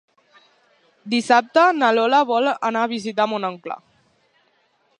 Dissabte na Lola vol anar a visitar mon oncle.